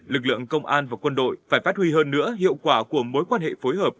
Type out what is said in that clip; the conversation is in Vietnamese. lực lượng công an và quân đội phải phát huy hơn nữa hiệu quả của mối quan hệ phối hợp